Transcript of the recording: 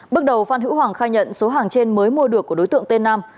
bước đầu phan hữu hoàng khai nhận số hàng trên mới mua được của đối tượng tên nam